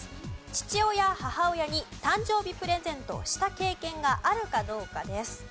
父親母親に誕生日プレゼントをした経験があるかどうかです。